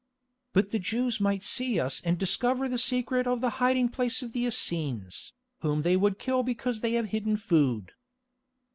"But the Jews might see us and discover the secret of the hiding place of the Essenes, whom they would kill because they have hidden food."